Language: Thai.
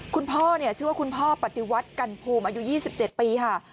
คุณพ่อชื่อว่าคุณพ่อปฏิวัติกันภูมิอายุ๒๗ปีค่ะ